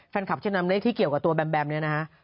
เช่นนำเลขที่เกี่ยวกับตัวแบมแบมเนี่ยนะฮะ